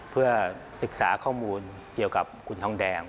เพื่อศึกษาข้อมูลเกี่ยวกับคุณทองแดง